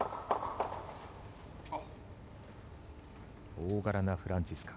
大柄なフランツィスカ。